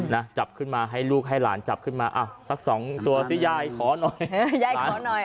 นะจับขึ้นมาให้ลูกให้หลานจับขึ้นมาอ้าวสักสองตัวสิยายขอหน่อยยายขอหน่อย